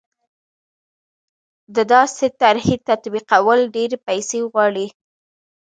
د داسې طرحې تطبیقول ډېرې پیسې غواړي.